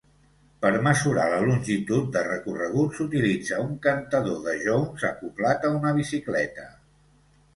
Per mesurar la longitud de recorregut s'utilitza un cantador de Jones acoblat a una bicicleta.